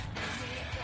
demi kehormatan berasa